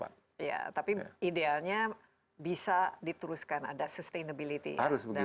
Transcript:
tapi idealnya bisa dituruskan ada sustainability ya dalam semua ini